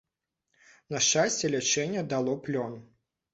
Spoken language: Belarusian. На шчасце, лячэнне дало плён.